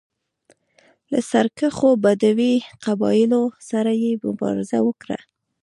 له سرکښو بدوي قبایلو سره یې مبارزه وکړه.